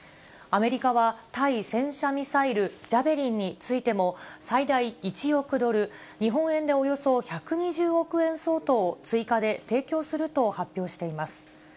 アメリカは、対戦車ミサイル、ジャベリンについても最大１億ドル、日本円でおよそ１２０億円相当を追加で提供すると発表しています。